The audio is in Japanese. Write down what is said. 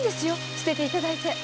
捨てていただいて。